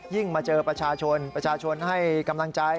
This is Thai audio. มาเจอประชาชนประชาชนให้กำลังใจ